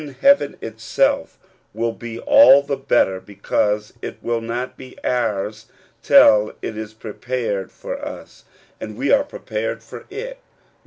heaven itself will be all the better because it will not be ours till it is prepared for us, and we are prepared for it.